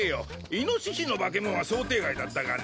イノシシの化け物は想定外だったがな。